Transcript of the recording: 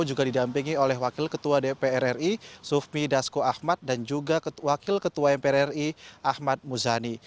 dan juga didampingi oleh wakil ketua dpr ri sufmi dasko ahmad dan juga wakil ketua mpr ri ahmad muzani